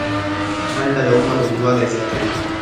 منډه د عمر اوږدوالی زیاتوي